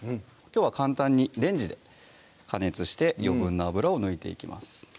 きょうは簡単にレンジで加熱して余分な油を抜いていきます